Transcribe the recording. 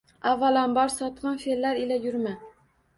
Avvalambor sotqin fellar ila yurma